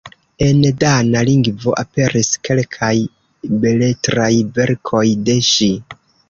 En dana lingvo aperis kelkaj beletraj verkoj de ŝi.